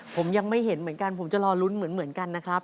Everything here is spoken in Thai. ผมยังไม่เห็นเหมือนกันผมจะรอลุ้นเหมือนกันนะครับ